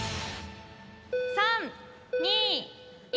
３２１。